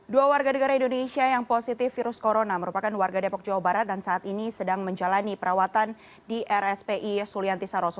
dua warga negara indonesia yang positif virus corona merupakan warga depok jawa barat dan saat ini sedang menjalani perawatan di rspi sulianti saroso